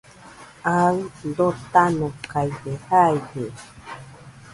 Aɨ dotanokaide jaide